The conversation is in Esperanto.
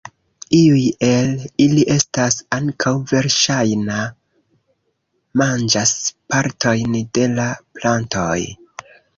Iuj el ili estas ankaŭ verŝajna manĝas partojn de la plantoj.